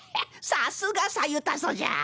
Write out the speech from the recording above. さすがさゆたそじゃ。